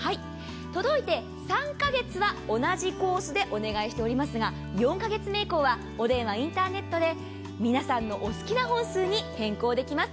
届いて３か月は同じコースでお願いしておりますが、４カ月目以降はお電話、インターネットで皆さんのお好きな本数に変更できます。